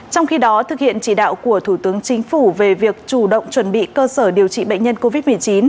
trong khi đó thực hiện chỉ đạo của thủ tướng chính phủ về việc chủ động chuẩn bị cơ sở điều trị bệnh nhân covid một mươi chín